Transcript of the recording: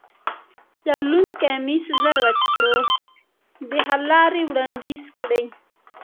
یو لوند کمیس زر وچ کړو، د حل لارې وړاندیز کړئ.